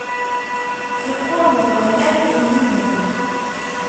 Yeqqurmeḍ wannar n yixemmimen.